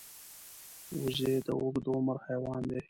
وزې د اوږد عمر حیوان دی